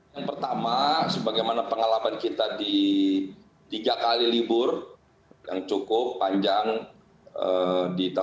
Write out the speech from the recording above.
yang pertama sebagaimana pengalaman kita di tiga kali libur yang cukup panjang di tahun dua ribu dua puluh